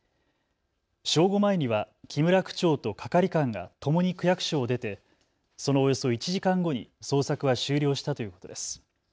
正午前には木村区長と係官がともに区役所を出てそのおよそ１時間後に捜索は終了したということです。